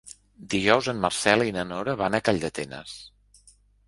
Dijous en Marcel i na Nora van a Calldetenes.